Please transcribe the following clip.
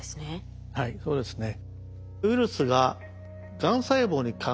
はいそうですね。